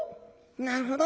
なるほど。